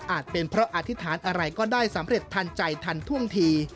เป็นเพราะอธิษฐานอะไรก็ได้สำเร็จทันใจทันท่วงที